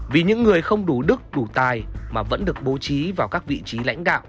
vì những người không đủ đức đủ tài mà vẫn được bố trí vào các vị trí lãnh đạo